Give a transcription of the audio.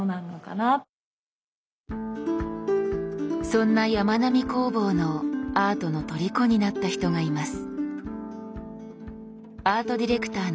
そんなやまなみ工房のアートのとりこになった人がいます。